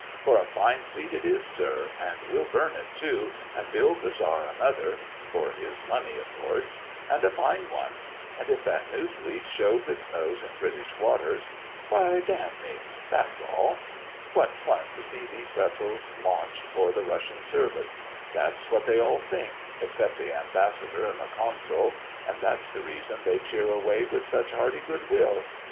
For a fine fleet it is, sir, and we'll burn it, too, and build the Czar another (for his money, of course), and a fine one; and if that new fleet shews its nose in British waters, why, d n me that's all! What fun to see these vessels launched for the Russian service! That's what they all think, except the Ambassador and the Consul, and that's the reason they cheer away with such hearty good will.